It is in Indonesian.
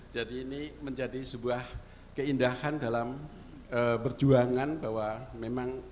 jadi ini menjadi sebuah keindahan dalam berjuangan bahwa memang